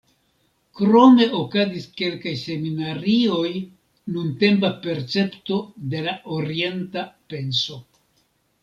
Krome okazis kelkaj seminarioj "Nuntempa percepto de la orienta penso".